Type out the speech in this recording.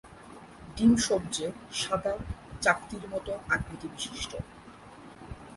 ডিম সবজে সাদা, চাকতির মতো আকৃতি বিশিষ্ট।